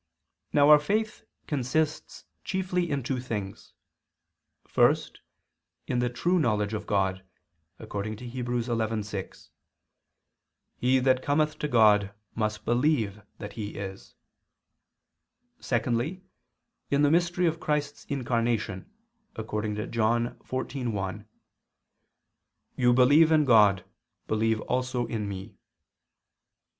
Now our faith consists chiefly in two things: first, in the true knowledge of God, according to Heb. 11:6, "He that cometh to God must believe that He is"; secondly, in the mystery of Christ's incarnation, according to John 14:1, "You believe in God, believe also in Me."